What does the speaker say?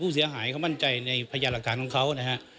ผู้เสียหายเขามั่นใจในพยานหลักฐานของเขานะฮะ